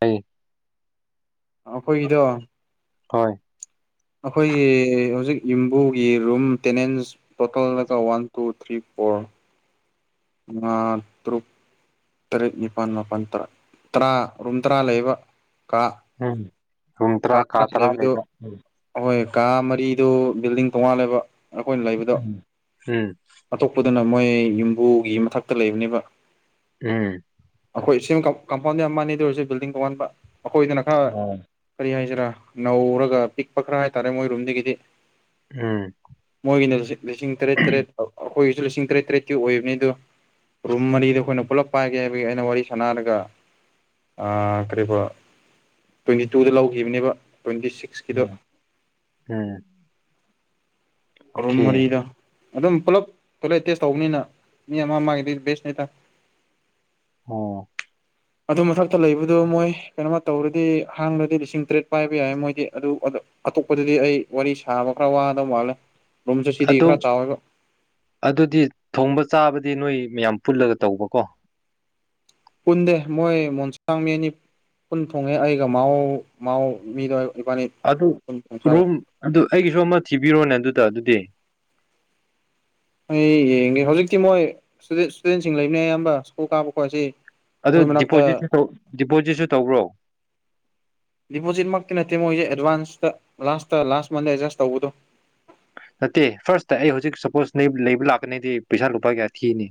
ꯇꯥꯏꯌꯦ ꯑꯩꯈꯣꯏꯒꯤꯗꯣ ꯍꯣꯏ ꯑꯩꯈꯣꯏꯒꯤ ꯍꯧꯖꯤꯛ ꯌꯨꯝꯕꯨꯒꯤ ꯔꯨꯝ ꯇꯦꯅꯦꯟꯁ ꯇꯣꯇꯜꯂꯒ ꯋꯥꯟ ꯇꯨ ꯊ꯭ꯔꯤ ꯐꯣꯔ ꯑꯥ ꯇꯔꯨꯛ ꯇꯔꯦꯠ ꯅꯤꯄꯥꯟ ꯃꯥꯄꯟ ꯇꯔꯥ ꯇꯔꯥ ꯔꯨꯝ ꯇꯔꯥ ꯂꯩꯕ ꯀꯥ ꯎꯝ ꯀꯥ ꯇꯔꯥ ꯂꯩꯕꯗꯨ ꯑꯍꯣꯏ ꯀꯥ ꯃꯔꯤꯗꯨ ꯕꯤꯜꯗꯤꯡ ꯇꯣꯉꯥꯜꯂꯦꯕ ꯑꯈꯣꯏꯅ ꯂꯩꯕꯗꯣ ꯎꯝ ꯎꯝ ꯑꯇꯣꯞꯄ ꯑꯗꯨꯅ ꯃꯣꯏ ꯌꯨꯝꯕꯨꯒꯤ ꯃꯊꯛꯇ ꯂꯩꯕꯅꯦꯕ ꯎꯝ ꯑꯈꯣꯏ ꯏꯁꯤꯡ ꯀꯝ ꯀꯝꯄꯥꯎꯟꯗ ꯌꯥꯝ ꯃꯥꯟꯅꯦ ꯑꯗꯨ ꯑꯣꯏꯔꯁꯨ ꯕꯤꯜꯗꯤꯡ ꯇꯧꯉꯥꯟꯕ ꯑꯈꯣꯏꯗꯅ ꯈꯔ ꯑꯣ ꯀꯔꯤ ꯍꯥꯏꯁꯤꯔꯥ ꯅꯧꯔꯒ ꯄꯤꯛꯄ ꯈꯔ ꯍꯥꯏꯇꯥꯔꯦ ꯃꯣꯏꯔꯨꯝꯗꯒꯤꯗꯤ ꯎꯝ ꯑꯩꯈꯣꯏꯒꯤꯅ ꯍꯧꯖꯤꯛ ꯂꯤꯁꯤꯡ ꯇꯔꯦꯠ ꯇꯔꯦꯠ ꯐꯥꯎ ꯑꯩꯈꯣꯏꯒꯤꯁꯨ ꯂꯤꯁꯤꯡ ꯇꯔꯦꯠ ꯇꯔꯦꯠꯇꯤ ꯑꯣꯏꯕꯅꯤ ꯑꯗꯨ ꯔꯨꯝ ꯃꯔꯤꯗ ꯑꯩꯈꯣꯏꯅ ꯄꯨꯂꯞ ꯄꯥꯏꯒꯦ ꯍꯥꯏꯕꯒꯤ ꯑꯩꯅ ꯋꯥꯔꯤ ꯁꯥꯟꯅꯔꯒ ꯑꯥ ꯀꯔꯤꯕꯣ ꯇ꯭ꯋꯦꯟꯇꯤ ꯇꯨꯗ ꯂꯧꯈꯤꯕꯅꯦꯕ ꯇ꯭ꯋꯦꯟꯇꯤ ꯁꯤꯛꯁꯀꯤꯗꯣ ꯎꯝ ꯎꯝ ꯔꯨꯝ ꯑꯣꯀꯦ ꯃꯔꯤꯗ ꯑꯗꯨꯝ ꯄꯨꯂꯞ ꯇꯣꯏꯂꯦꯠ ꯇꯦꯁ ꯇꯧꯕꯅꯤꯅ ꯃꯤ ꯑꯃ ꯑꯃ ꯒꯤꯗꯤ ꯕꯦꯁꯅꯦꯇꯥ ꯑꯣ ꯑꯗꯨ ꯃꯊꯛꯇ ꯂꯩꯕꯗꯨ ꯃꯣꯏ ꯀꯩꯅꯣꯃ ꯇꯧꯔꯗꯤ ꯍꯥꯡꯂꯗꯤ ꯂꯤꯁꯤꯡ ꯇꯔꯦꯠ ꯄꯥꯏꯕ ꯌꯥꯏ ꯃꯣꯏꯗꯤ ꯑꯗꯨ ꯗꯨ ꯑꯇꯣꯞꯄꯗꯗꯤ ꯑꯩ ꯋꯥꯔꯤ ꯁꯥꯕ ꯈꯔ ꯋꯥꯗꯧ ꯃꯥꯜꯂꯦ ꯔꯨꯝꯁꯨ ꯁꯤꯗꯤ ꯑꯗꯨ ꯈꯔ ꯆꯥꯎꯋꯦꯕ ꯑꯗꯨꯗꯤ ꯊꯣꯡꯕ ꯆꯥꯕ ꯗꯤ ꯅꯣꯏ ꯃꯌꯥꯝ ꯄꯨꯜꯂꯒ ꯇꯧꯕꯀꯣ ꯄꯨꯟꯗꯦ ꯃꯣꯏ ꯃꯣꯟꯁꯥꯡ ꯃꯤ ꯑꯅꯤ ꯄꯨꯟ ꯊꯣꯡꯉꯦ ꯑꯩꯒ ꯃꯥꯎ ꯃꯥꯎ ꯃꯤꯗꯣ ꯏꯕꯥꯅꯤ ꯑ ꯄꯨꯟ ꯊꯣꯡ ꯆꯥꯕ ꯔꯨꯝ ꯑꯗꯨ ꯑꯩꯒꯤꯁꯨ ꯑꯃ ꯊꯤꯕꯤꯔꯣꯅꯦ ꯑꯗꯨꯗ ꯑꯗꯨꯗꯤ ꯑꯩ ꯌꯦꯡꯒꯦ ꯍꯧꯖꯤꯛꯇꯤ ꯃꯣꯏ ꯏꯁꯇꯨꯗꯦꯟꯁꯤꯡ ꯂꯩꯕꯅꯦ ꯑꯌꯥꯝꯕ ꯁ꯭ꯀꯨꯜ ꯀꯥꯕ ꯈꯣꯠ ꯁꯤ ꯑꯗꯨ ꯗꯤꯄꯣꯖꯤꯠꯁꯨ ꯗꯤꯄꯣꯖꯤꯠꯁꯨ ꯇꯧꯕ꯭ꯔꯣ ꯀ ꯅꯠꯇꯦ ꯃꯣꯏꯁꯦ ꯑꯦꯗꯚꯥꯟꯁꯇ ꯂꯥꯁꯇ ꯂꯥꯁ ꯃꯟꯗ ꯑꯦꯗꯖꯁ ꯇꯧꯕꯗꯣ ꯅꯠꯇꯦ ꯐꯥꯔ꯭ꯁꯇ ꯑꯩ ꯍꯧꯖꯤꯛ ꯁꯄꯣꯁ ꯅꯣꯏ ꯂꯩꯕ ꯂꯥꯛꯀꯅꯤꯗꯤ ꯄꯩꯁꯥ ꯂꯨꯄꯥ ꯀꯌꯥ ꯊꯤꯅꯤ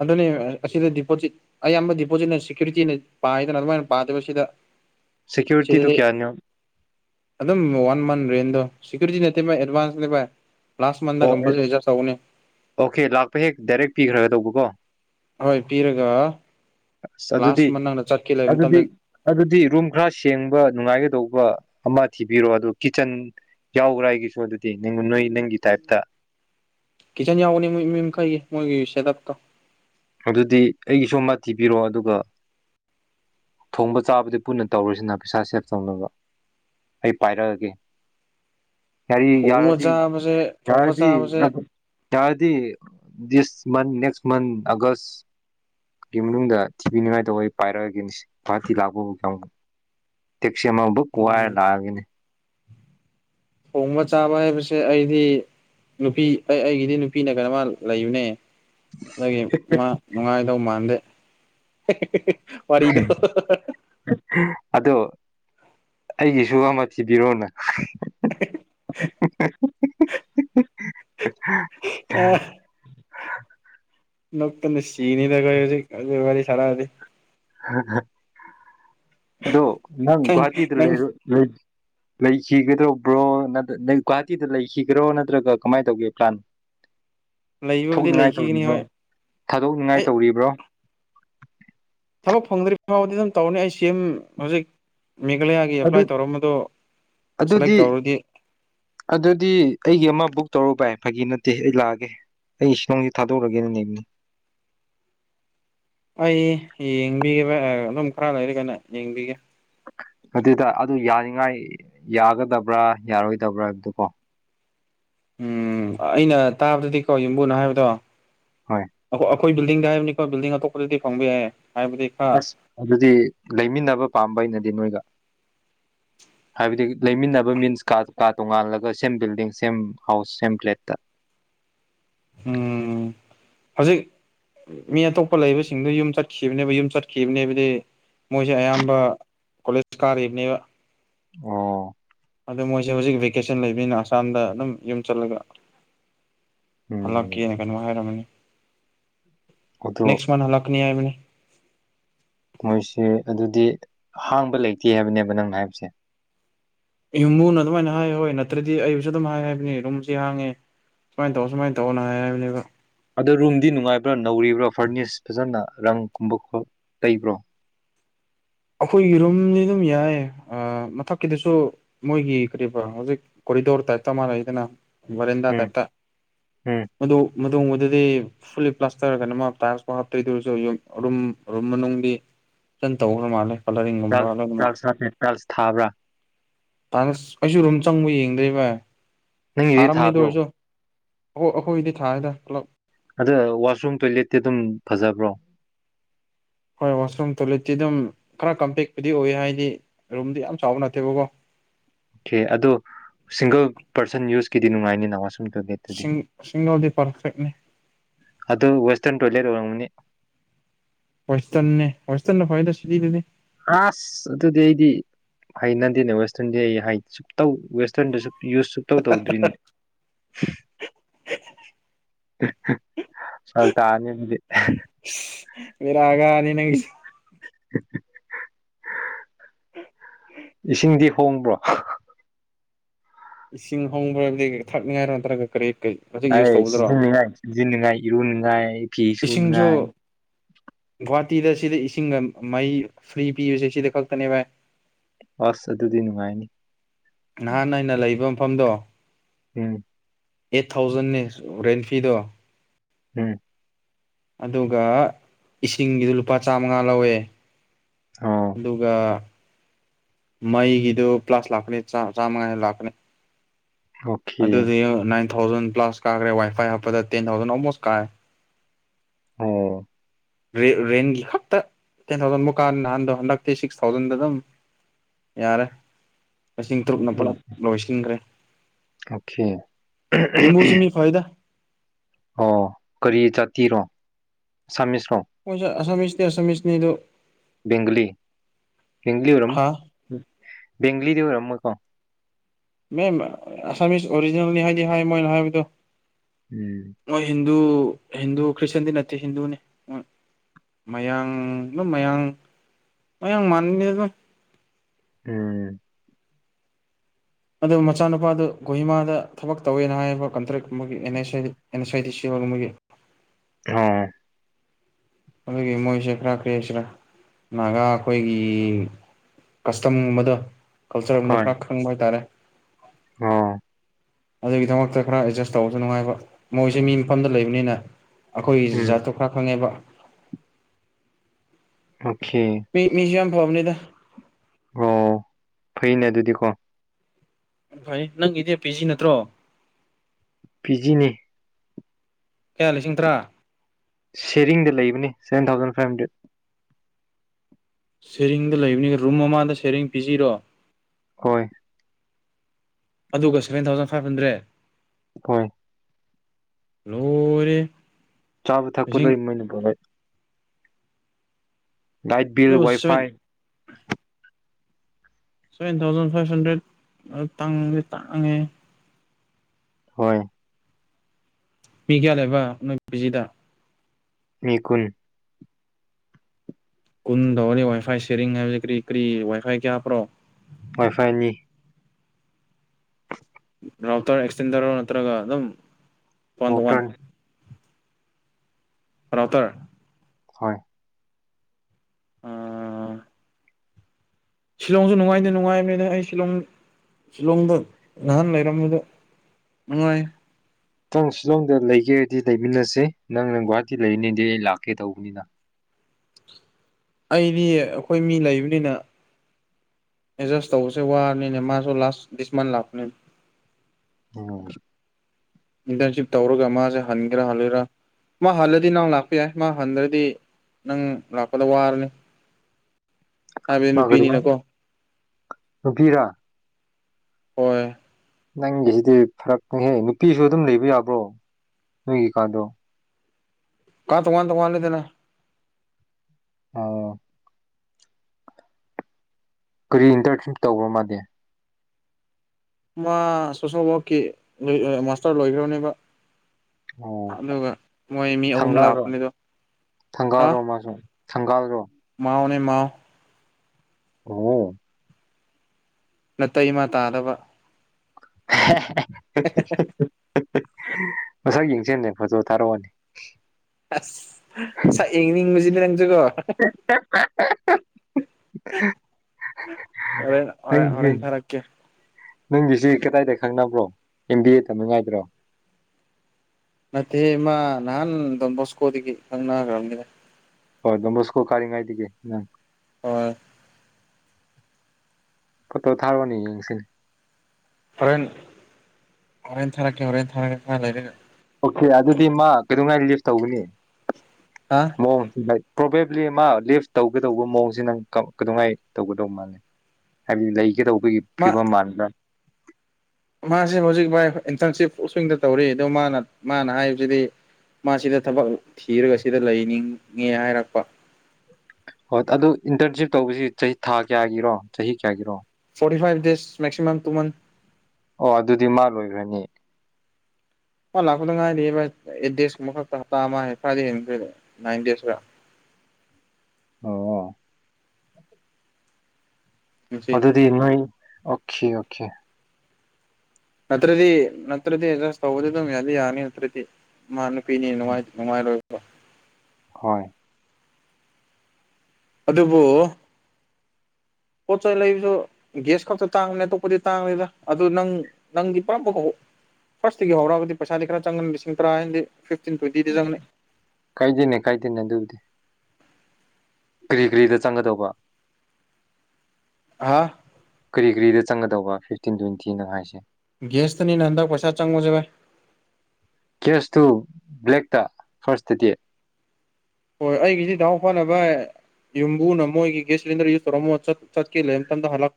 ꯑꯗꯨꯅꯤ ꯑꯁꯤꯗ ꯗꯤꯄꯣꯖꯤꯠ ꯑꯌꯥꯝꯕ ꯗꯤꯄꯣꯖꯤꯠꯅ ꯁꯦꯀ꯭ꯌꯨꯔꯤꯇꯤꯅ ꯄꯥꯏ ꯍꯥꯏꯗꯅ ꯑꯗꯨꯃꯥꯏꯅ ꯄꯥꯗꯕ ꯁꯤꯗ ꯁꯦꯀ꯭ꯌꯨꯔꯤꯇꯤꯗꯨ ꯁꯤꯗꯤ ꯀꯌꯥꯅꯣ ꯑꯗꯨꯝ ꯋꯥꯟ ꯃꯟ ꯔꯦꯟꯦꯟꯗꯣ ꯁꯎꯔꯤꯤ ꯅꯇꯕ ꯑꯦꯗꯚꯥꯟꯁ ꯅꯕ ꯑꯣ ꯑꯣꯀꯦ ꯂꯥꯛꯄ ꯍꯦꯛ ꯗꯥꯏꯔꯦꯛ ꯄꯤꯈ꯭ꯔꯒ ꯇꯧꯕꯀꯣ ꯍꯣꯏ ꯄꯤꯔꯒ ꯑꯁ ꯂꯥꯁ ꯑꯗꯨꯗꯤ ꯃꯟ ꯅꯪꯅ ꯆꯠꯀꯦ ꯂꯩꯕ ꯃꯇꯝꯗ ꯑꯗꯨꯗꯤ ꯑꯗꯨꯗꯤ ꯔꯨꯝ ꯈꯔ ꯁꯦꯡꯕ ꯅꯨꯡꯉꯥꯏꯒꯗꯧꯕ ꯑꯃ ꯊꯤꯕꯤꯔꯣꯑꯣ ꯑꯗꯨ ꯀꯤꯠꯆꯟ ꯌꯥꯎꯈ꯭ꯔꯥꯒꯤꯁꯨ ꯑꯗꯨꯗꯤ ꯅ ꯅꯣꯏ ꯅꯪꯒꯤ ꯇꯥꯏꯞꯇ ꯀꯤꯆꯟ ꯌꯥꯎꯕꯅꯤ ꯃꯤ ꯈꯩꯒꯤ ꯃꯣꯏꯒꯤꯁꯦ ꯇꯞꯇ ꯑꯗꯨꯗꯤ ꯑꯩꯒꯤꯁꯨ ꯑꯃ ꯊꯤꯕꯤꯔꯛꯑꯣ ꯑꯗꯨꯒ ꯊꯣꯡꯕ ꯆꯥꯕꯗꯤ ꯄꯨꯟꯅ ꯇꯧꯔꯨꯁꯤꯅ ꯄꯩꯁꯥ ꯁꯦꯞ ꯇꯧꯅꯕ ꯑꯩ ꯄꯥꯏꯔꯛꯑꯒꯦ ꯌꯥꯔꯤ ꯊꯣꯡꯕ ꯌꯥꯔꯗꯤ ꯆꯥꯕꯁꯦ ꯊꯣꯡꯕ ꯌꯥꯔꯗꯤ ꯆꯥꯕꯁꯦ ꯇꯥꯔꯗꯤ this month next month August ꯃꯅꯨꯡꯗ ꯊꯤꯕꯤꯅꯤꯡꯉꯥꯏ ꯇꯧꯕ ꯑꯩ ꯄꯥꯏꯔꯛꯑꯒꯦꯅꯤꯁ ꯀꯨꯍꯥꯇꯤ ꯂꯕ ꯇꯦꯛꯁꯤ ꯑꯃꯕꯨ ꯎꯝ ꯀꯣꯋꯥꯔ ꯂꯒꯅꯦ ꯊꯣꯡꯕ ꯆꯥꯕ ꯍꯥꯏꯕꯁꯦ ꯑꯩꯗꯤ ꯅꯨꯄꯤ ꯑꯩ ꯑꯩꯒꯤꯗꯤ ꯅꯨꯄꯤꯅ ꯀꯩꯅꯣꯃ ꯂꯩꯌꯨꯅꯦ ꯑꯗꯒꯤ ꯃꯥ ꯅꯨꯡꯉꯥꯏꯗꯧ ꯃꯥꯟꯗꯦ ꯋꯥꯔꯤꯗꯣ ꯑꯗꯣ ꯑꯩꯒꯤꯁꯨ ꯑꯃ ꯊꯤꯕꯤꯔꯣꯅ [unintelligible] [unintelligible] ꯅꯛꯇꯅꯤ ꯁꯤꯅꯤꯗ ꯀꯖꯤ ꯀ ꯋꯥꯔꯤ ꯋꯥꯔꯤ ꯁꯔꯗꯤ ꯑꯗꯣ ꯅꯪ ꯒꯋꯥꯍꯥꯇꯤ ꯑꯗꯨ꯭ꯔꯣ ꯂꯩ ꯂꯩꯈꯤꯒꯗ꯭ꯔꯣ ꯕ꯭ꯔꯣ ꯅ ꯒꯨꯍꯥꯇꯤꯗ ꯂꯩꯈꯤꯒ꯭ꯔꯣ ꯅꯠꯇ꯭ꯔꯒ ꯀꯃꯥꯏꯅ ꯇꯧꯒꯦ ꯄ꯭ꯂꯥꯟ ꯂꯩꯕꯕꯨꯗꯤ ꯊꯣꯛꯅꯤꯡꯉꯥꯏ ꯂꯩꯈꯤꯒꯅꯤ ꯇꯧꯔꯤꯕ꯭ꯔꯣ ꯍꯣꯏ ꯊꯥꯗꯣꯛꯅꯤꯡꯉꯥꯏ ꯑꯦ ꯇꯧꯔꯤꯕ꯭ꯔꯣ ꯊꯕꯛ ꯐꯪꯗ꯭ꯔꯤꯕ ꯐꯥꯎꯕꯗꯤ ꯑꯗꯨꯝ ꯇꯧꯅꯤ ꯑꯩ ꯁꯤ ꯍꯧꯖꯤꯛ ꯃꯦꯘꯂꯌꯥꯒꯤ ꯑꯗꯨ ꯑꯦꯄ꯭ꯂꯥꯏ ꯇꯧꯔꯝꯕꯗꯣ ꯁꯦꯂꯦꯛ ꯑꯗꯨꯗꯤ ꯇꯧꯔꯗꯤ ꯑꯗꯨꯗꯤ ꯑꯩꯒꯤ ꯑꯃꯕꯨꯛ ꯇꯧꯔꯣ ꯚꯥꯏ ꯐꯥꯒꯤ ꯅꯠꯇꯦ ꯑꯩ ꯂꯥꯛꯑꯒꯦ ꯑꯩ ꯏ ꯏꯁ ꯅꯪꯁꯤ ꯊꯥꯗꯣꯛꯂꯒꯦꯅꯅꯦꯕꯅꯤ ꯑꯩ ꯌꯦꯡꯕꯤꯒꯦ ꯑꯗꯨꯝ ꯈꯔ ꯂꯩꯔ ꯀꯩꯅ ꯌꯦꯡꯕꯤꯒꯦ ꯑꯗꯨꯇꯥ ꯑꯗꯨ ꯌꯥꯅꯤꯉꯥꯏ ꯌꯥꯒꯗꯕ꯭ꯔꯥ ꯌꯥꯔꯣꯏꯗꯕ꯭ꯔꯥ ꯍꯥꯏꯕꯗꯨꯀꯣ ꯎꯝ ꯑꯩꯅ ꯇꯥꯕꯗꯗꯤꯀꯣ ꯌꯨꯝꯕꯨꯅ ꯍꯥꯏꯕꯗꯣ ꯍꯣꯏ ꯑꯩꯣꯏ ꯕꯤꯗꯤꯡꯗ ꯍꯥꯏꯕꯅꯤ ꯑꯩꯣꯏ ꯕꯤꯗꯤꯡ ꯑꯇꯣꯞꯄꯗꯤ ꯐꯪꯕ ꯌꯥꯌꯦ ꯑꯁ ꯑꯗꯨꯗꯤ ꯂꯩꯃꯤꯟꯅꯕ ꯄꯥꯝꯕꯩꯅꯗꯤ ꯅꯣꯏꯒ [unintelligible] ꯍꯥꯏꯕꯗꯤ ꯂꯩꯃꯤꯟꯅꯕ ꯃꯤꯟꯁ ꯀꯥ ꯀꯥ ꯇꯣꯉꯥꯜꯂꯒ ꯁꯦꯝ ꯕꯤꯜꯗꯤꯡ ꯁꯦꯝ ꯍꯥꯎꯁ ꯁꯦꯝ ꯐ꯭ꯂꯦꯠꯇ ꯎꯝ ꯍꯧꯖꯤꯛ ꯃꯤ ꯑꯇꯣꯞꯄ ꯂꯩꯕꯁꯤꯡꯗꯨ ꯌꯨꯝ ꯆꯠꯈꯤꯕꯅꯦꯕ ꯌꯨꯝ ꯆꯠꯈꯤꯕꯅꯦꯕꯗꯤ ꯃꯣꯏꯁꯦ ꯑꯌꯥꯝꯕ ꯀꯣꯂꯦꯖ ꯀꯥꯔꯤꯕꯅꯦꯕ ꯑꯣ ꯑꯗꯣ ꯃꯣꯏꯁꯦ ꯍꯧꯖꯤꯛ ꯚꯦꯀꯦꯁꯟ ꯂꯩꯕꯅꯤꯅ ꯑꯁꯥꯝꯗ ꯑꯗꯨꯝ ꯌꯨꯝ ꯆꯠꯂꯒ ꯎꯝ ꯍꯜꯂꯣꯀꯦꯅ ꯀꯩꯅꯣ ꯍꯥꯏꯔꯝꯃꯅꯤ ꯑꯗꯣ ꯅꯦꯛꯁ ꯃꯟ ꯍꯂꯛꯅꯤ ꯍꯥꯏꯅꯦ ꯃꯣꯏꯁꯦ ꯑꯗꯨꯗꯤ ꯍꯥꯡꯕ ꯂꯩꯇꯦ ꯍꯥꯏꯕꯅꯦꯕ ꯅꯪꯅ ꯍꯥꯏꯕꯁꯦ ꯌꯨꯝꯕꯨꯨꯅ ꯑꯗꯨꯃꯥꯏꯅ ꯍꯥꯏ ꯍꯣꯏ ꯅꯠꯇ꯭ꯔꯗꯤ ꯑꯩꯨꯁꯨ ꯑꯗꯨꯝ ꯍꯥꯏ ꯍꯥꯏꯕꯅꯤ ꯔꯨꯝꯁ ꯍꯥꯡꯉꯦ ꯁꯃꯥꯏ ꯇꯧ ꯁꯃꯥꯏ ꯇꯧꯅꯅꯦ ꯑꯗꯣ ꯔꯨꯝꯗꯤ ꯅꯨꯡꯉꯥꯏꯕ꯭ꯔꯥ ꯅꯧꯔꯤꯕ꯭ꯔꯥ ꯐꯔꯅꯤꯁ ꯐꯖꯅ ꯔꯪꯒꯨꯝꯕ ꯈ ꯂꯩꯕ꯭ꯔꯣ ꯑꯩꯈꯣꯏꯒꯤ ꯔꯨꯝꯗꯤ ꯑꯗꯨꯝ ꯌꯥꯏ ꯃꯊꯛꯀꯤꯗꯁꯨ ꯃꯣꯏꯒꯤ ꯀ ꯍꯧꯖꯤꯛ ꯍꯔꯗꯣꯔ ꯇꯥꯏꯇ ꯃꯥꯅ ꯃꯔꯗ ꯎꯝ ꯇꯥꯏꯠꯇ ꯎꯝ ꯃ ꯃꯣꯡꯕꯗꯨꯗꯤ ꯐꯨꯜꯂꯤ ꯄ꯭ꯂꯥꯁꯇꯔ ꯀꯩꯅꯣꯃ ꯇꯥꯏꯁ ꯐꯥꯎ ꯍꯥꯞꯇꯣꯏꯗ ꯑꯣꯏꯔꯁꯨ ꯔꯨꯝ ꯔꯨꯝ ꯃꯅꯨꯡ ꯆꯟ ꯇꯧ ꯆ ꯆꯜꯁꯦ ꯇꯜꯁ ꯊꯥꯕ꯭ꯔꯥ ꯇꯅ ꯑꯩꯁꯨ ꯑꯗꯨꯨꯝ ꯆꯪꯕ ꯌꯦꯡꯗꯣꯏꯕ ꯅꯪ ꯏꯗꯤ ꯊꯥꯕ꯭ꯔꯣ ꯑꯩꯈ ꯑꯩꯈꯣꯏꯗꯤ ꯊꯥꯗ ꯄꯨꯂꯞ ꯑꯗ ꯋꯥꯁꯔꯨꯝ ꯇꯣꯏꯂꯦꯠꯇꯤ ꯑꯗꯨꯝ ꯐꯖꯕ꯭ꯔꯣ ꯍꯣꯏ ꯋꯥꯁꯔꯨꯝ ꯇꯣꯏꯂꯦꯠꯇꯤ ꯑꯗꯨꯝ ꯈꯔ ꯀꯝꯄꯦꯛꯄꯨꯗꯤ ꯑꯣꯏ ꯍꯥꯏꯗꯤ ꯔꯨꯝꯗꯤ ꯌꯥꯝ ꯆꯥꯎꯕ ꯅꯠꯇꯦꯕꯀꯣ [inaudible] ꯑꯣꯀꯦ ꯑꯗꯣ ꯁꯤꯡꯒꯜ ꯄꯔꯁꯟ ꯌꯨꯁꯀꯤꯗꯤ ꯅꯨꯡꯉꯥꯏꯅꯤ ꯅꯃ ꯁ ꯇꯣꯏꯂꯦꯠꯗꯤ ꯁꯤꯡ ꯁꯤꯡꯒꯜꯗꯤ ꯄꯔꯐꯦꯛꯅꯤ ꯑꯗꯨ ꯋꯦꯁꯇꯔꯟ ꯇꯣꯏꯂꯦꯠ ꯑꯣꯏꯔꯅꯤ [inaudible] ꯍꯁꯇꯥꯟꯅꯦ ꯍꯁꯇꯥꯟꯅ ꯍꯅ ꯁꯤꯗꯅꯦ ꯑꯁ ꯑꯗꯨꯗꯤ ꯑꯩꯗꯤ ꯍꯩꯅꯗꯦꯅꯦ ꯋꯦꯁꯇꯔꯟꯗꯤ ꯑꯩ ꯁꯇꯧ ꯋꯦꯁꯇꯔꯟꯗ ꯌꯨꯁ ꯁꯨꯞꯇꯧ ꯇꯧꯗ꯭ꯔꯤꯅꯤ ꯁ ꯇꯅꯤꯝꯗꯤ ꯐꯔꯒꯅꯤꯅ ꯏꯁꯤꯡꯗꯤ ꯍꯣꯡꯕ꯭ꯔꯣ ꯏꯁꯤꯡ ꯍꯣꯡꯕ꯭ꯔ ꯍꯥꯏꯕꯗꯤ ꯊꯛꯅꯤꯡꯉꯥꯏꯔꯣ ꯅꯠꯇ꯭ꯔꯒ ꯀꯔꯤ ꯀꯔꯤ ꯍꯧꯖꯤꯛ ꯌꯨꯁ ꯑꯩ ꯇꯧꯕꯗꯨꯔꯣ ꯁꯤꯖꯤꯟꯅꯉꯥꯏ ꯁꯤꯖꯤꯟꯅꯅꯨꯡꯉꯥꯏ ꯏꯔꯨ ꯅꯨꯡꯉꯥꯏ ꯐꯤꯁꯨ ꯏꯁꯤꯡꯁꯨ ꯅꯨꯡꯉꯥꯏ ꯒꯨꯍꯥꯇꯤꯗ ꯁꯤꯗ ꯏꯁꯤꯡꯒ ꯃꯩ ꯐ꯭ꯔꯤ ꯄꯤꯕꯁꯦ ꯁꯤꯗ ꯈꯛꯇꯅꯦꯚꯏ ꯑꯁ ꯑꯗꯨꯗꯤ ꯅꯨꯡꯉꯥꯏꯅꯤ ꯅꯍꯥꯟ ꯑꯩꯅ ꯂꯩꯕ ꯃꯐꯝꯗꯣ ꯎꯝ ꯑꯩꯠ ꯊꯥꯎꯖꯟꯅꯤ ꯔꯦꯟꯐꯤꯗꯣ ꯎꯝ ꯑꯗꯨꯒ ꯏꯁꯤꯡꯒꯤꯗꯨ ꯂꯨꯄꯥ ꯆꯥꯃꯉꯥ ꯂꯧꯋꯦ ꯑꯣ ꯑꯗꯨꯒ ꯃꯩꯒꯤꯗꯨ ꯄ꯭ꯂꯥꯁ ꯂꯥꯛꯀꯅꯤ ꯆꯥꯝꯃꯉꯥ ꯍ ꯂꯥꯛꯀꯅꯤ ꯑꯣꯀꯦ ꯑꯗꯨꯗꯤ ꯅꯥꯏꯟ ꯊꯥꯎꯖꯟ ꯄ꯭ꯂꯁ ꯀꯥꯈ꯭ꯔꯦ ꯋꯥꯏꯐꯥꯏ ꯍꯥꯞꯄꯗ ꯇꯦꯟ ꯊꯥꯎꯖꯟ ꯑꯣꯜꯃꯣꯁ ꯀꯥꯑꯦ ꯑꯣ ꯔꯦꯟꯒꯤ ꯈꯛꯇ ꯇꯦꯟ ꯊꯥꯎꯖꯟ ꯃꯨꯛꯀꯥꯟ ꯅꯍꯥꯟꯗꯣ ꯍꯟꯗꯛꯇꯤ ꯁꯤꯛꯁ ꯊꯥꯎꯖꯟꯗ ꯑꯗꯨꯝ ꯌꯥꯔꯦ ꯂꯤꯁꯤꯡ ꯇꯔꯨꯛꯅ ꯄꯨꯂꯞ ꯂꯣꯏꯁꯤꯟꯈ꯭ꯔꯦ ꯑꯣꯀꯦ ꯌꯨꯝꯕꯨꯁꯨ ꯃꯤ ꯐꯩꯗ ꯑꯣ ꯀꯔꯤ ꯆꯥꯇꯤꯔꯣꯃꯤꯁ ꯃꯣꯏꯁ ꯑꯁꯥꯁꯅꯦ ꯑꯁꯥꯝꯁ ꯅꯗꯣ ꯕꯦꯡꯒꯂꯤ ꯕꯦꯡꯒꯂꯤ ꯑꯣꯏꯔꯝꯃꯣ ꯍꯥ ꯕꯦꯡꯒꯂꯤꯗꯤ ꯑꯣꯏꯔꯝꯃꯣꯏꯀꯣ ꯃꯦ ꯑꯁꯥꯝꯖ ꯑꯣꯔꯤꯖꯤꯅꯦꯜꯅꯤ ꯍꯥꯏꯗꯤ ꯍꯥꯏ ꯃꯣꯏ ꯅꯍꯥꯏꯗꯣ ꯎꯝ ꯍꯤꯟ ꯍꯤꯟꯗꯨ ꯈ꯭ꯔꯤꯁꯇꯟꯗꯤ ꯅꯠꯇ ꯍꯤꯟꯅꯤ ꯃꯌꯥꯡꯗꯝ ꯃꯌꯥꯡ ꯃꯌꯥꯡ ꯃꯥꯟꯅꯅꯤ ꯑꯗꯨꯝ ꯎꯝ ꯑꯗꯨ ꯃꯆꯥꯅꯨꯄꯥꯗꯨ ꯒꯣꯍꯤꯃꯥꯗ ꯊꯕꯛ ꯇꯧꯋꯦꯅ ꯍꯥꯏꯕ ꯀꯟꯇ꯭ꯔꯦꯛꯒꯤ and S and S I D ꯁꯤ ꯑꯃꯒꯤꯒꯦ ꯑ ꯑꯗꯨꯒꯤ ꯃꯣꯏꯁꯦ ꯈꯔ ꯀ꯭ꯔꯦꯁꯤꯔ ꯅꯥꯒꯥ ꯑꯩꯈꯣꯏꯒꯤ ꯀꯁꯇꯝꯒꯨꯝꯕꯗ ꯀꯜꯆꯔꯒꯨꯝꯕꯗ ꯈꯔ ꯈꯪꯕ ꯍꯥꯏꯇꯥꯔꯦ ꯑꯥ ꯑꯗꯨꯒꯤꯗꯃꯛꯇ ꯈꯔ ꯑꯦꯗꯖꯁ ꯇꯧꯕꯁꯨ ꯅꯨꯡꯉꯥꯏꯕ ꯃꯣꯏꯁꯦ ꯃꯤ ꯃꯐꯝꯗ ꯂꯩꯕꯅꯤꯅ ꯑꯩꯈꯣꯏ ꯎꯝ ꯖꯥꯠꯇꯨ ꯈꯔ ꯈꯪꯉꯦꯕ ꯑꯣꯦ ꯍꯕꯅꯤꯗ ꯑꯣ ꯐꯩꯅꯦ ꯑꯗꯨꯗꯤꯀꯣ ꯎ ꯐꯩ ꯅꯪꯒꯤꯗꯤ ꯄꯤꯁꯤ ꯅꯠꯇ꯭ꯔꯣ ꯄꯖꯤꯅꯤ ꯀꯌꯥ ꯂꯤꯁꯤꯡ ꯇꯔꯥ ꯁꯦꯔꯤꯡꯗ ꯂꯩꯕꯅꯦ ꯁꯚꯦꯟ ꯊꯥꯎꯖꯟ ꯐꯥꯏꯚ ꯍꯟꯗ꯭ꯔꯦꯠ ꯁꯦꯔꯦꯡꯗ ꯂꯩꯕꯅꯤꯒ ꯔꯨꯝ ꯑꯃꯗ ꯁꯩꯔꯦꯡ ꯄꯤꯁꯤꯔꯣ ꯍꯣꯏ ꯑꯗꯨꯒ ꯁꯚꯦꯟ ꯊꯥꯎꯖꯟ ꯐꯥꯏꯚ ꯍꯟꯗ꯭ꯔꯦꯠ ꯍꯣꯏ ꯂꯔꯦ ꯆꯥꯕ ꯊꯛꯄ ꯂ ꯏ ꯃꯣꯏꯅꯕꯦ light bill wifi seven seven thousand five ꯍꯟꯗ꯭ꯔꯦꯠꯥꯡꯦ ꯇꯥꯡꯉꯦ ꯍꯣꯏ ꯃꯤ ꯀꯌꯥ ꯂꯩꯦꯕ ꯅꯣꯏ ꯖꯤꯗ ꯃꯤ ꯈꯨꯨꯟ ꯀꯨꯟꯗꯋꯥꯔꯤ ꯋꯥꯏꯐꯥꯏ ꯁꯦꯔꯤꯡ ꯍꯥꯏꯕꯕꯁꯤ ꯀꯔꯤ ꯀꯔꯤ ꯋꯥꯏ ꯐꯥꯏ ꯀꯌꯥꯄ꯭ꯔꯣ ꯐꯣꯏ ꯐꯔꯅꯤ ꯔꯥꯎꯇꯔ ꯑꯦꯛꯇꯟꯗꯔꯣ ꯅꯠꯇ꯭ꯔꯒ ꯑꯗꯨꯝ ꯋꯥꯟ ꯇꯨ ꯋꯥꯟ ꯍꯣꯇꯟ ꯔꯔꯥꯎꯇꯔ ꯍꯣꯏ ꯁꯤꯂꯣꯡꯁꯨ ꯅꯨꯡꯉꯥꯏꯇꯦ ꯅꯨꯡꯉꯥꯏꯃꯤꯅ ꯑꯩ ꯁꯤꯂꯣꯡ ꯁꯤꯂꯣꯡꯗ ꯅꯍꯥꯟ ꯂꯩꯔꯝꯕꯗ ꯅꯨꯡꯉꯥꯏ ꯅꯪ ꯁꯤꯗꯣꯡꯗ ꯂꯩꯒꯦꯔꯗꯤ ꯂꯩꯃꯤꯟꯅꯁꯦ ꯅꯪ ꯅ ꯒꯨꯍꯥꯇꯤ ꯂꯩꯔꯤꯅꯤꯗꯤ ꯑꯩ ꯂꯥꯛꯀꯦ ꯇꯧꯕꯅꯤꯅ ꯑꯩꯗꯤ ꯑꯩꯈꯣꯏ ꯃꯤ ꯂꯩꯕꯅꯤꯅ ꯑꯦꯗꯖꯁ ꯇꯧꯕꯁꯦ ꯋꯥꯅꯤꯅꯦ ꯃꯥꯁꯨ ꯂꯥꯁ ꯗꯤꯁꯃꯥꯟ ꯂꯥꯛꯄꯅꯤ ꯎꯝ ꯏꯟꯇꯔꯟꯁꯤꯞ ꯇꯧꯔꯒ ꯃꯥꯁꯦ ꯍꯟꯒꯦꯔꯥ ꯍꯜꯂꯔꯥ ꯃꯥ ꯍꯜꯂꯗꯤ ꯅꯪ ꯂꯥꯛꯄ ꯌꯥꯏ ꯃꯥ ꯍꯜꯗ꯭ꯔꯗꯤ ꯅꯪ ꯂꯥꯛꯄꯗ ꯋꯥꯔꯅꯤ ꯍꯥꯏꯕꯗꯤ ꯃꯥ ꯅꯨꯄꯤꯅꯤꯅꯀꯣ ꯀꯩꯗꯧꯉꯩ ꯅꯨꯄꯤꯔꯥ ꯍꯣꯏ ꯅꯪꯒꯤꯁꯤꯗꯤ ꯐꯔꯛꯍꯦ ꯅꯨꯄꯤꯁꯨ ꯑꯗꯨꯝ ꯂꯩꯕ ꯌꯥꯕ꯭ꯔꯣ ꯅꯣꯏꯒꯤꯀꯥꯗꯣ ꯀ ꯇ ꯋꯥꯟ ꯇ ꯋꯥ ꯂꯩꯗꯅ ꯑ ꯀꯔꯤ ꯏꯟꯇꯔꯁꯤꯞ ꯇꯧꯕ꯭ꯔꯣ ꯃꯥꯥꯟꯗꯦ ꯃꯥ ꯁꯣꯁꯦꯜ ꯋꯥꯔꯛꯀꯤ ꯃꯥꯁꯇꯔ ꯂꯣꯏꯈ꯭ꯔꯕꯅꯦꯕ ꯑꯣ ꯑꯗꯨꯒ ꯃꯣꯏ ꯃꯤ ꯑꯍꯨꯝ ꯊꯪꯒꯥꯔꯣ ꯂꯥꯛꯄꯅꯦꯗꯣ ꯊꯪꯒꯥꯜꯔꯣ ꯃꯥꯁꯨ ꯊꯪꯒꯥꯜꯒꯣ ꯃꯥꯅꯦ ꯃꯥ ꯑꯣꯝ ꯅꯠꯇ ꯏꯃ ꯇꯥꯗꯕ [unintelligible] ꯃꯁꯛ ꯌꯦꯡꯁꯤꯟꯅꯦ ꯐꯣꯇꯣ ꯊꯥꯔꯛꯑꯣꯅꯤ ꯑ ꯏꯡꯅꯤꯡꯕꯖꯤꯗꯤ ꯅꯪꯖꯒꯣ [unintelligible] ꯍꯣꯔꯦꯟ ꯎꯝ ꯍꯣꯔꯦꯟ ꯎꯝ ꯍꯣꯔꯦꯟ ꯊꯥꯔꯛꯀꯦ ꯅꯪꯒꯤꯁꯤ ꯀꯗꯥꯏꯗꯥ ꯈꯪꯅꯕ꯭ꯔꯣ ꯑꯦꯝ ꯕꯤ ꯑꯦ ꯊꯝꯅꯉꯥꯏꯗ꯭ꯔꯣ ꯅꯠꯇꯦ ꯃꯥ ꯅꯍꯥꯟꯝ ꯃꯣꯁꯀꯣꯗꯒꯤ ꯈꯪꯅꯈ꯭ꯔꯕꯅꯤꯅ ꯍꯣꯏ ꯑꯗꯨꯝꯝꯕꯣꯁꯀꯣ ꯀꯥꯔꯤꯉꯥꯏꯗꯤꯗꯒꯤ ꯍ‌ꯧꯏ ꯐꯣꯇꯣ ꯊꯥꯔꯛꯑꯣꯅꯦ ꯌꯦꯡꯁꯤꯅꯦ ꯍꯣꯔꯦꯟ ꯍꯣꯔꯦꯟ ꯊꯥꯔꯛꯀꯦ ꯍꯣꯔꯦꯟꯦꯟ ꯊꯥꯔꯛꯦ ꯂꯩꯔꯅ ꯑꯣꯀꯦ ꯑꯗꯨꯗꯤ ꯃꯥ ꯀꯩꯗꯧꯉꯥꯏ ꯂꯤꯐ ꯇꯧꯒꯅꯤ ꯍꯥ ꯃꯑꯣꯡ ꯄ꯭ꯔꯣꯕꯦꯕꯂꯤ ꯃꯥ ꯂꯤꯐ ꯇꯧꯒꯗꯧꯕ ꯃꯑꯣꯡꯁ ꯅꯪ ꯀꯉꯥꯏ ꯇꯧꯒꯗꯧꯕ ꯃꯥꯜꯂꯤ ꯍꯥꯏꯕꯗꯤ ꯂꯩꯒꯗꯧꯕꯒꯤ ꯃꯥ ꯐꯤꯕꯝ ꯃꯥꯟꯕ꯭ꯔꯥ ꯃꯥꯁꯦ ꯍꯧꯖꯤꯛ ꯃꯥꯏ ꯏꯟꯇꯔꯟꯁꯤꯞ ꯁ꯭ꯋꯤꯡꯗ ꯇꯧꯔꯤ ꯑꯗ ꯃꯥꯅ ꯃꯥꯅ ꯍꯥꯏꯕꯁꯤꯗꯤ ꯃꯥꯁꯤꯗ ꯊꯕꯛ ꯊꯤꯔꯒ ꯁꯤꯗ ꯂꯩꯅꯤꯡꯉꯦ ꯍꯥꯏꯔꯛꯄ ꯍꯣꯏ ꯑꯗꯨ ꯏꯟꯇꯔꯟꯁꯤꯞ ꯇꯧꯕꯁꯤ ꯆꯍꯤ ꯊꯥ ꯀꯌꯥꯒꯤꯔꯣ ꯆꯍꯤ ꯀꯌꯥꯒꯤꯔꯣ ꯐ ꯗ ꯇ ꯑꯣ ꯑꯗꯨꯗꯤ ꯃꯥ ꯂꯣꯏꯈ꯭ꯔꯅꯤ ꯑꯣ ꯂꯥꯛ ꯉꯥꯏ ꯗ [unintelligible] ꯑꯣ ꯉꯁꯤ ꯑꯗꯨ ꯑꯗꯨꯗꯤ ꯅꯣꯏ ꯑꯣꯈꯤꯦ ꯑꯣꯦ ꯅꯠꯇ꯭ꯔꯗꯤ ꯅꯠꯇꯗꯤ ꯁꯧꯗ ꯑꯗꯨ ꯌꯥꯗꯤ ꯌꯥꯅꯤ ꯅꯠꯇ꯭ꯔꯗꯤ ꯃꯥ ꯄꯅꯤꯅꯨꯡꯉꯥꯏ ꯅꯅꯨꯡꯉꯥꯏ ꯂꯣꯏꯕ ꯍꯣꯏ ꯑꯗꯨꯕꯨ ꯄꯣꯠ ꯆꯩ ꯂꯩꯕꯁꯨ ꯒ꯭ꯌꯥꯁ ꯈꯛꯇ ꯇꯥꯡꯕꯅꯦ ꯑꯇꯣꯞꯄꯗꯤ ꯇꯥꯡꯉꯦꯗ ꯑꯗꯨ ꯅꯪ ꯅꯪꯗꯤ ꯄꯔ ꯐꯥꯔꯁꯇꯒꯤ ꯍꯧꯔꯛꯑꯒꯗꯤ ꯄꯩꯁꯥꯗꯤ ꯈꯔ ꯆꯪꯒꯅꯤ ꯂꯤꯁꯤꯡ ꯇꯔꯥ ꯍꯥꯏꯗꯤ ꯐꯤꯐꯇꯤꯟ ꯇ꯭ꯋꯦꯟꯇꯤꯗꯤ ꯆꯪꯒꯅꯤ ꯀꯩꯗꯤꯅꯦ ꯀꯩꯗꯟꯅ ꯑꯗꯨꯗꯨꯗꯤ ꯀꯔꯤ ꯀꯔꯤꯗ ꯆꯪꯒꯗꯧꯕ ꯍꯥꯥ ꯀꯔꯤ ꯀꯔꯤꯗ ꯆꯪꯒꯗꯧꯕ ꯐꯤꯐꯇꯤꯟ ꯇ꯭ꯋꯦꯟꯇꯤꯅꯣ ꯍꯥꯏꯁꯦ ꯒꯦꯁꯇꯅꯤꯅ ꯍꯟꯗꯛ ꯄꯩꯁꯥ ꯆꯪꯉꯨꯁꯕꯥꯏ ꯀꯦꯁꯇꯨ ꯕ꯭ꯂꯦꯛꯇ ꯐꯥꯔꯁꯇꯗꯤ ꯍꯣꯏ ꯑꯩꯒꯤꯁꯤ ꯍꯥꯎ ꯐꯥꯅꯕ ꯌꯝꯕꯨꯅ ꯃꯣꯍꯤꯒꯤ ꯒꯦꯁꯂꯦꯟꯟ꯭ꯔ ꯌ ꯔꯃꯣ ꯆꯠ ꯆꯠꯀꯤꯂ ꯇ ꯍꯂꯛ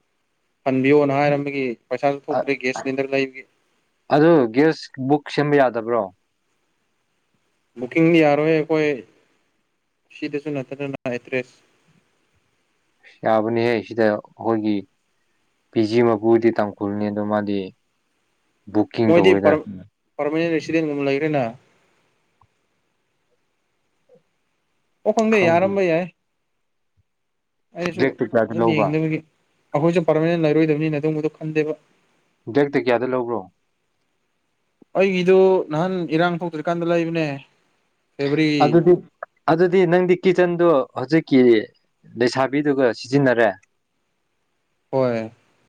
ꯍꯟꯕꯤꯌꯣꯅ ꯍꯥꯏꯔꯝꯕꯒꯤ ꯄꯩꯁꯥꯁꯨ ꯊꯣꯛꯇ꯭ꯔꯦ ꯒ꯭ꯌꯥꯁ ꯁꯤꯂꯤꯟꯗꯔ ꯂꯩꯕꯒꯤ ꯑꯗꯨ ꯒꯦꯁ ꯕꯨꯛ ꯁꯦꯝꯕ ꯌꯥꯗꯕ꯭ꯔꯣ ꯕꯨꯀꯤꯡ ꯌꯥꯔꯣꯏ ꯀꯣꯏ ꯁꯤꯗꯁꯨ ꯅꯠꯇꯅꯅ ꯑꯦꯇ꯭ꯔꯦꯁ ꯑ ꯌꯥꯕꯅꯤꯍꯦ ꯁꯤꯗ ꯑꯩꯈꯣꯏꯒꯤ ꯄꯤ ꯖꯤ ꯃꯄꯨꯔꯗꯤ ꯇꯥꯡꯈꯨꯜꯅꯤ ꯑꯗꯣ ꯃꯥꯗꯤ ꯕꯨꯛꯀꯤꯡ ꯇꯧꯔꯣꯏꯗꯔꯦ ꯁꯤꯒ ꯂꯩꯔꯦꯅ ꯑꯣ ꯈꯪꯗꯦ ꯌꯥꯔꯝꯕ ꯌꯥꯏ ꯑꯩꯁꯨ ꯕ꯭ꯂꯦꯛꯇ ꯀꯌꯥꯗ ꯁꯨꯝ ꯂꯧꯕ꯭ꯔꯥ ꯌꯦꯡꯗꯕꯒꯤ ꯑꯩꯈꯣꯏꯁꯨ ꯄꯔꯃꯥꯅꯦꯟ ꯂꯩꯔꯣꯏꯗꯕꯅꯤꯅ ꯑ ꯑꯗꯨꯕꯗꯨꯣ ꯈꯟꯗꯦꯕ ꯗꯦꯛꯇ ꯀꯌꯥꯗ ꯂꯧꯕ꯭ꯔꯣ ꯑꯩꯒꯤꯗꯨ ꯅꯍꯥꯟ ꯏꯔꯥꯡ ꯊꯣꯛꯇ꯭ꯔꯤꯀꯥꯟꯗ ꯂꯩꯕꯅꯦ ꯐꯦꯕꯋꯥꯔꯤ ꯑꯗꯨꯗꯤ ꯑꯗꯨꯗꯤ ꯅꯪꯗꯤ ꯀꯤꯠꯆꯟꯗꯣ ꯍꯧꯖꯤꯛꯀꯤ ꯂꯩꯁꯥꯕꯤꯗꯨꯒ ꯁꯤꯖꯤꯟꯅꯔꯦ ꯍꯣꯏ